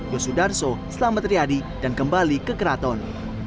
yosudarso selamat riyadi dan kembali ke keraton